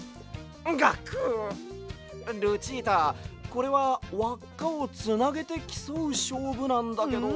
これはわっかをつなげてきそうしょうぶなんだけど。